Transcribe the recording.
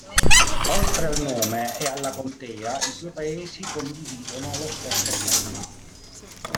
Oltre al nome e alla contea, i due paesi condividono lo stesso stemma.